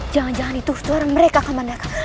jangan jangan itu suara mereka kaman daka